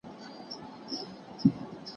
واکداري امانت دی.